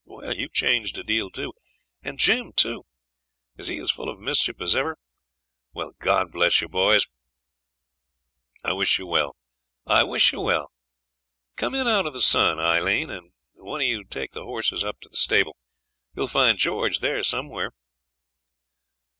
Well, you've changed a deal too; and Jim too. Is he as full of mischief as ever? Well, God bless you, boys, I wish you well! I wish you well. Come in out of the sun, Aileen; and one of you take the horses up to the stable. You'll find George there somewhere.'